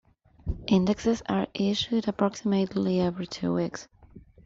Indexes are issued approximately every two weeks.